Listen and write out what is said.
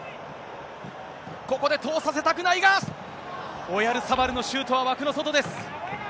ここで通させたくないが、オヤルサバルのシュートは枠の外です。